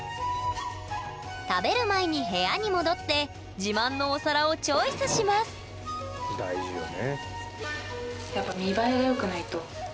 食べる前に部屋に戻って自慢のお皿をチョイスします大事よね。